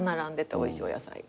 おいしいお野菜が。